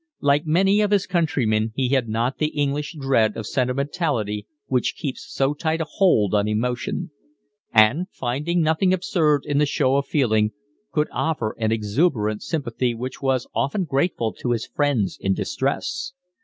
Like many of his countrymen he had not the English dread of sentimentality which keeps so tight a hold on emotion; and, finding nothing absurd in the show of feeling, could offer an exuberant sympathy which was often grateful to his friends in distress.